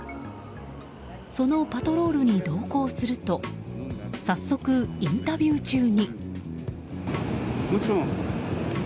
そのパトロールに同行すると早速、インタビュー中に。